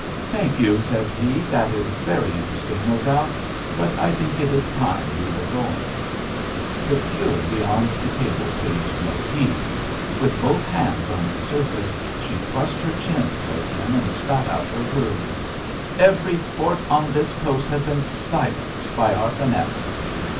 "Thank you," said he, "that is very interesting, no doubt, but I think it is time we were going." The fury beyond the table paid no heed. With both hands on its surface she thrust her chin towards him and spat out her words. "Every fort on this coast has been silenced by our finesse!"